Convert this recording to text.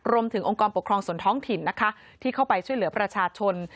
รวมถึงองค์กรปกครองส่วนท้องถิ่นนะคะที่เข้าไปช่วยเหลือประชาชน